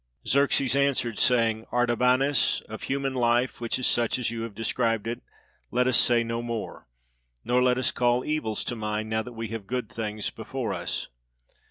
Xerxes answered, saying, "Artabanus, of human life, which is such as you have described it, let us say no more, nor let us call evils to mind, now that we have good things before us."